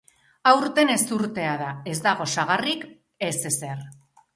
Aurten ezurtea da, ez dago sagarrik, ez ezer.